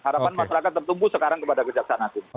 harapan masyarakat tertumbuh sekarang kepada kejaksaan agung